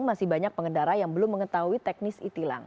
masih banyak pengendara yang belum mengetahui teknis e tilang